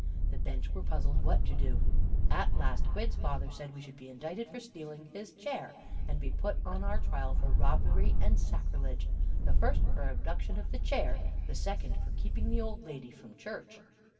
The bench were puzzled what to do. At last Quidd's father said we should be indicted for stealing his chair, and be put on our trial for robbery and sacrilege the first for the abduction of the chair, the second for keeping the old lady _from church.